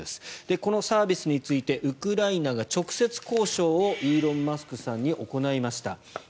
このサービスについてウクライナが直接交渉をイーロン・マスクさんに行いました。